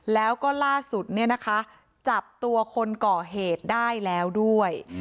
แล้วก็ล่าสุดเนี่ยนะคะจับตัวคนก่อเหตุได้แล้วด้วย